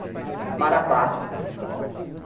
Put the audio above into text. Marabá